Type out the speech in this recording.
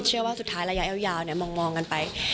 คิดเชื่อว่าสุดท้ายระยะยาวมองกันไป